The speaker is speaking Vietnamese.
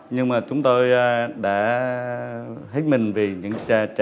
nhưng mà chúng tôi đã hết mình vì những trà trà